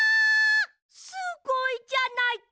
すごいじゃないか！